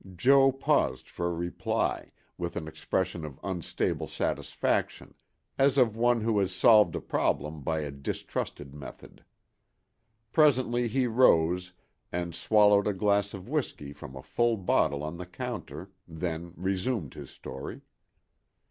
Jo. paused for a reply, with an expression of unstable satisfaction, as of one who has solved a problem by a distrusted method. Presently he rose and swallowed a glass of whisky from a full bottle on the counter, then resumed his story.